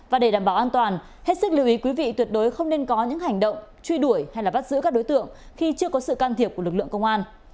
và để đảm bảo an toàn hết sức lưu ý quý vị tuyệt đối không nên có những hành động truy đuổi hay bắt giữ các đối tượng khi chưa có sự can thiệp của lực lượng công an